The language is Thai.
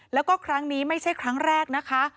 แล้วก็ครั้งนี้ไม่ใช่ครั้งแรกนะคะ